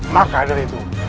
maka dari itu